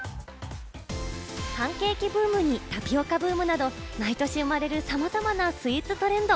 パンケーキブームにタピオカブームなど、毎年生まれる、さまざまなスイーツトレンド。